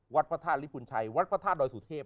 วัดพระธาตุลิปุนไชยวัดพระธาตุบริสุทธิบร์